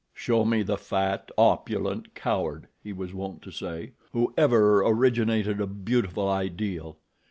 "Show me the fat, opulent coward," he was wont to say, "who ever originated a beautiful ideal.